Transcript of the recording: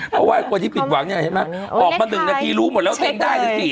เพราะว่าคนที่ปิดหวังเนี้ยเห็นไหมออกมาหนึ่งนาทีรู้หมดแล้วเต็มได้หรือสิอ่ะ